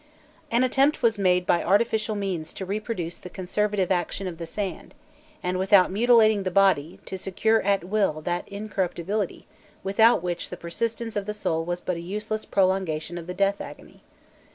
An attempt was made by artificial means to reproduce the conservative action of the sand, and, without mutilating the body, to secure at will that incorruptibility without which the persistence of the soul was but a useless prolongation of the death agony.